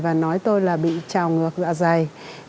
và nói tôi là bị trào ngược dạ dày